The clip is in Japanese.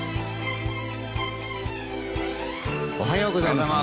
おはようございます。